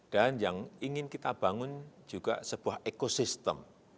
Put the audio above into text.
dan yang ingin kita bangun juga sebuah ekosistem